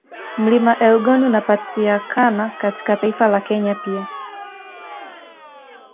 Mlima Elgoni unapatiakana katika taifa la Kenya pia